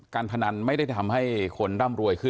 พนันไม่ได้ทำให้คนร่ำรวยขึ้น